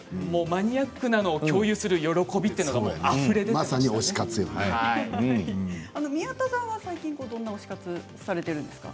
マニアックなのを共有する喜びというのがあふれていました宮田さんは最近どんな推し活をされているんですか？